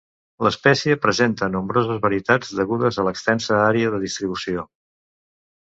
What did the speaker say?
L'espècie presenta nombroses varietats, degudes a l'extensa ària de distribució.